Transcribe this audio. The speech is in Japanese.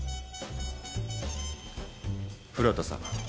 古畑さん。